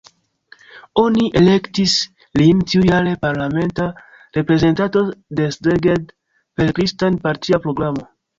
Oni elektis lin tiujare parlamenta reprezentanto de Szeged, per kristan-partia programo.